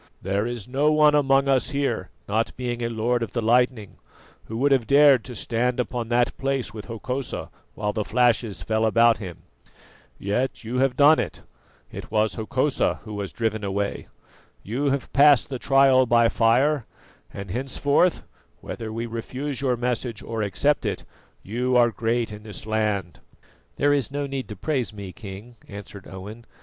There is no one among us here, not being a lord of the lightning, who would have dared to stand upon that place with Hokosa while the flashes fell about him. Yet you have done it; it was Hokosa who was driven away. You have passed the trial by fire, and henceforth, whether we refuse your message or accept it, you are great in this land." "There is no need to praise me, King," answered Owen.